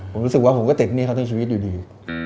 ผมรู้สึกว่าผมก็ติดหนี้เขาทั้งชีวิตอยู่ดี